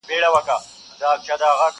ډېر نومونه سول په منځ کي لاندي باندي!